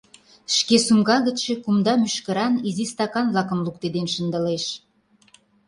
— Шке сумка гычше кумда мӱшкыран изи стакан-влакым луктеден шындылеш.